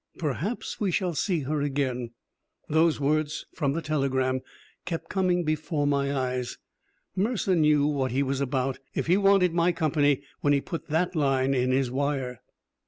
"Perhaps we shall see her again." Those words from the telegram kept coming before my eyes. Mercer knew what he was about, if he wanted my company, when he put that line in his wire.